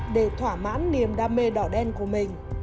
để thỏa mãn niềm đam mê đỏ đen của mình